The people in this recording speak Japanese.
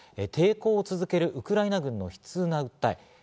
抵抗を続けるウクライナ軍の悲痛な訴え。